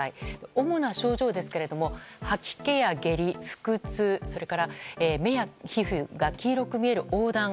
主な症状ですが吐き気や下痢、腹痛それから目や皮膚が黄色く見える黄だん。